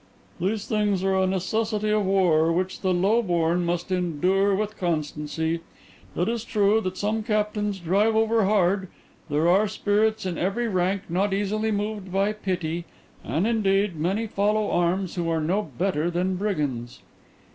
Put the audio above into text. "These things are a necessity of war, which the low born must endure with constancy. It is true that some captains drive over hard; there are spirits in every rank not easily moved by pity; and indeed many follow arms who are no better than brigands."